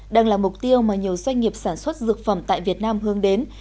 đang là mục tiêu mà nhiều doanh nghiệp sản xuất dược phẩm tại việt nam hướng đến